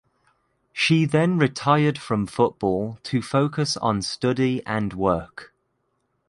She then retired from football to focus on study and work.